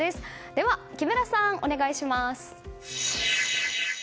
では木村さん、お願いします。